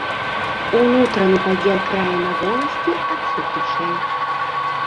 Унутраны падзел края на воласці адсутнічае.